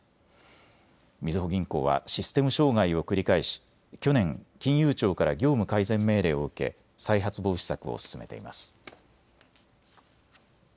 みずほ銀行はシステム障害を繰り返し去年、金融庁から業務改善命令を受け再発防止策を進めています。